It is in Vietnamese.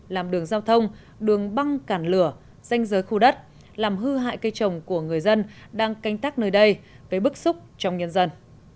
làm đường giao thông đường băng cản lửa danh giới khu đất làm hư hại cây trồng của người dân đang canh tác nơi đây gây bức xúc trong nhân dân